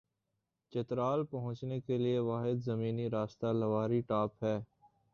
چترال پہنچنے کے لئے واحد زمینی راستہ لواری ٹاپ ہے ۔